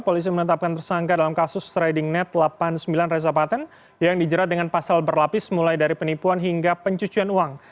polisi menetapkan tersangka dalam kasus trading net delapan puluh sembilan reza patent yang dijerat dengan pasal berlapis mulai dari penipuan hingga pencucian uang